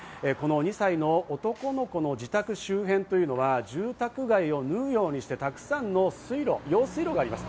２歳の男の子の自宅周辺というのは住宅街を縫うようにしてたくさんの用水路があります。